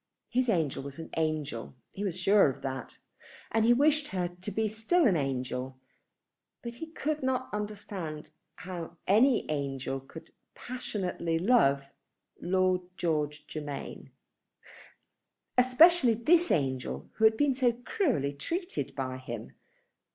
His angel was an angel. He was sure of that. And he wished her to be still an angel. But he could not understand how any angel could passionately love Lord George Germain, especially this angel who had been so cruelly treated by him.